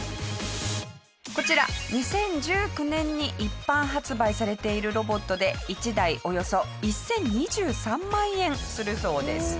こちら２０１９年に一般発売されているロボットで１台およそ１０２３万円するそうです。